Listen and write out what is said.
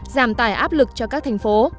giảm tải áp lực cho các thành phố